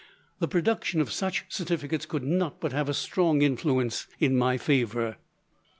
The production of such certificates could not but have a strong influence in my favour."